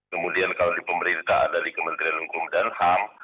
kemudian kalau di pemerintah ada di kementerian hukum dan ham